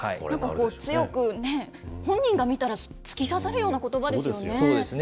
強くね、本人が見たら突き刺さるようなことばですよね。